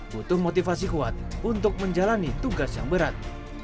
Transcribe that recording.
butuh motivasi kuat untuk menjalani tugas yang berat